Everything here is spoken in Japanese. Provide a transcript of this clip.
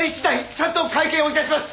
ちゃんと会見を致します。